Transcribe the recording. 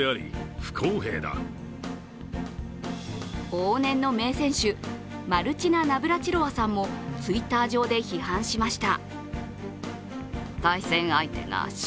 往年の名選手、マルチナ・ナブラチロワさんもＴｗｉｔｔｅｒ上で批判しました。